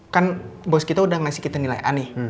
kan bos kita udah ngasih kita nilai a nih